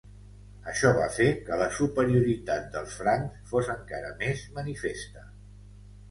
Això va fer que la superioritat dels francs fos encara més manifesta.